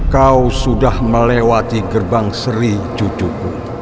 kau sudah melewati gerbang seri cucuku